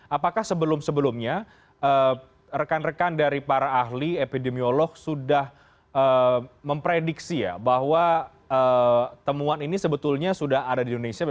apakah sebelum sebelumnya rekan rekan dari para ahli epidemiolog sudah memprediksi ya bahwa temuan ini sebetulnya sudah ada di indonesia